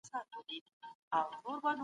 بې وزله خلګ باید هېر نه سي.